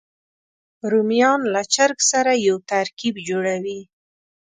رومیان له چرګ سره یو ترکیب جوړوي